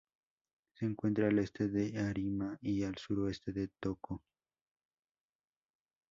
Se encuentra al este de Arima y al suroeste de Toco.